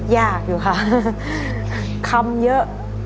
ยากอยู่ค่ะคำเยอะ